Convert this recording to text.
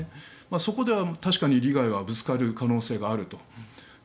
そこでは確かに利害はぶつかる可能性があると。